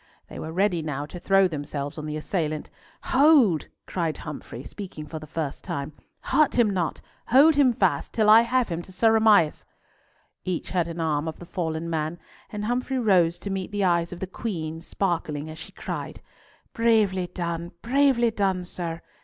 They were ready now to throw themselves on the assailant. "Hold!" cried Humfrey, speaking for the first time. "Hurt him not! Hold him fast till I have him to Sir Amias!" Each had an arm of the fallen man, and Humfrey rose to meet the eyes of the Queen sparkling, as she cried, "Bravely, bravely done, sir!